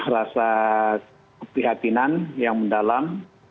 rasa ketihatinan yang mendalam